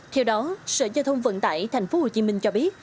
theo đó sở giao thông vận tải tp hcm cho biết